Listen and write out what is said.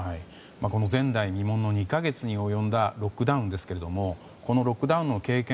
前代未聞の２か月に及んだロックダウンですけどこのロックダウンの経験